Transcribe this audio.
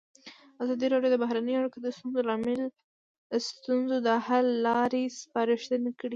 ازادي راډیو د بهرنۍ اړیکې د ستونزو حل لارې سپارښتنې کړي.